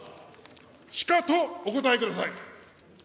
しかとお応えください。